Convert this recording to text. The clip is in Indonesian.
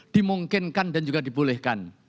dimungkinkan dan juga dibolehkan